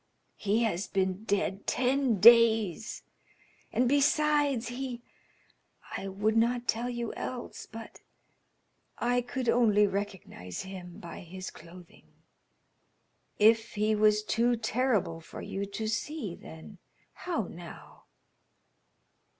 "He has been dead ten days, and besides he I would not tell you else, but I could only recognize him by his clothing. If he was too terrible for you to see then, how now?"